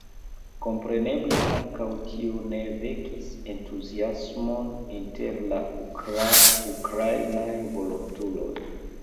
Kompreneble ankaŭ tio ne vekis entuziasmon inter la ukrainaj volontuloj.